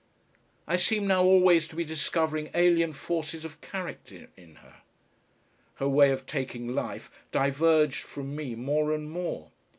I seemed now always to be discovering alien forces of character in her. Her way of taking life diverged from me more and more.